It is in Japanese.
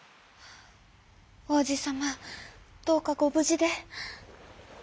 「おうじさまどうかごぶじで」。